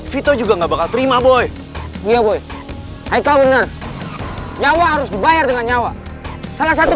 vito juga enggak bakal terima boy ya boy haikal bener nyawa harus dibayar dengan nyawa salah satu